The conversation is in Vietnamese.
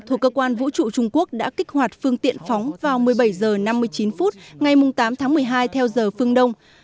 thuộc cơ quan vũ trụ trung quốc đã kích hoạt phương tiện phóng vào một mươi bảy h năm mươi chín phút ngày tám tháng một mươi hai theo giờ phương đông